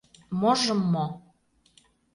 — Можым-мо...